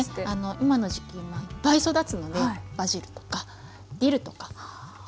今の時期いっぱい育つのでバジルとかディルとかはい。